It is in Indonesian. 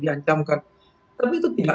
di ancamkan tapi itu tidak